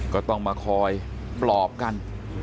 ก็ต้องมาคอยปลอบกัน